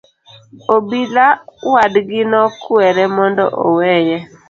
Obila wadgi nokwere mondo oweye.